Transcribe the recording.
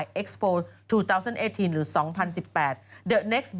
พี่ชอบแซงไหลทางอะเนาะ